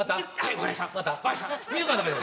分かりました。